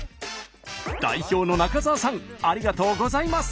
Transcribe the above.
代表の中澤さんありがとうございます。